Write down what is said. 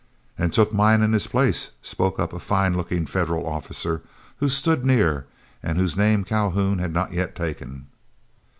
"And took mine in his place," spoke up a fine looking Federal officer who stood near, and whose name Calhoun had not yet taken.